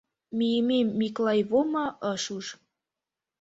Мийымем Миклай Вома ыш уж.